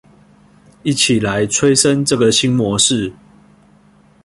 一起來催生這個新模式